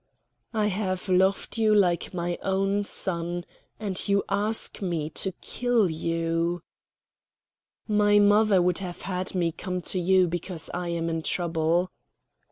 "I have loved you like my own son, and you ask me to kill you?" "My mother would have had me come to you, because I am in trouble."